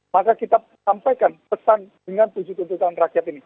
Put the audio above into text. maka kita sampaikan pesan dengan tujuh tuntutan rakyat ini